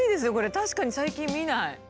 確かに最近見ない。